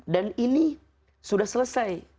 dan ini sudah selesai